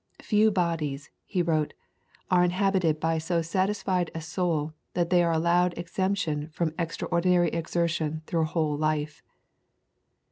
Few bodies," he wrote, "are inhabited by so satisfied a soul that they are allowed exemption from extra ordinary exertion through a whole life."